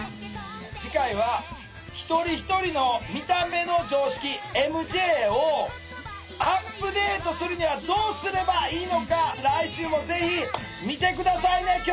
次回は一人一人の見た目の常識ＭＪをアップデートするにはどうすればいいのか来週もぜひ見て下さいね！